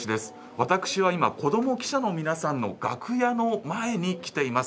私は今子ども記者の皆さんの楽屋の前に来ています。